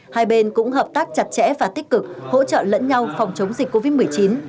hai bên cũng hợp tác chặt chẽ và tích cực hỗ trợ lẫn nhau phòng chống dịch covid một mươi chín